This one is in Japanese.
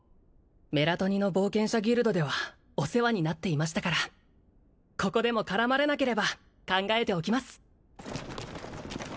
メラトニの冒険者ギルドではお世話になっていましたからここでも絡まれなければ考えておきます